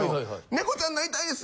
「猫ちゃんなりたいですぅ。